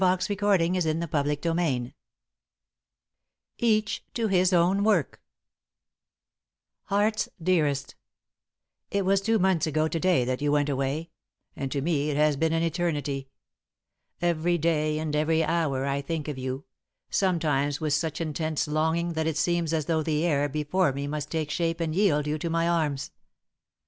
XXII Each to his Own Work [Sidenote: Alden Writes to Edith] "HEART'S DEAREST: It was two months ago to day that you went away, and to me it has been eternity. Every day and every hour I think of you, sometimes with such intense longing that it seems as though the air before me must take shape and yield you to my arms.